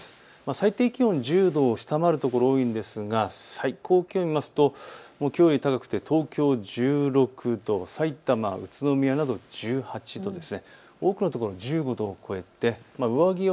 最低気温１０度を下回る所が多いんですが最高気温を見ますときょうより高くて東京１６度、さいたま、宇都宮など１８度です。